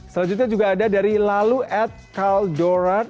selanjutnya juga ada dari laluat kal dorat